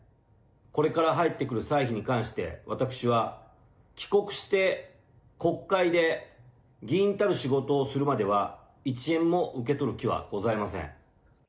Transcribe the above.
これから入ってくる歳費に関して、私は帰国して国会で議員たる仕事をするまでは、一円も受け取る気はございません。